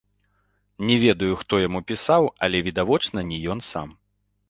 Не ведаю, хто яму пісаў, але, відавочна, не ён сам.